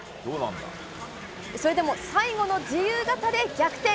それでも最後の自由形で逆転。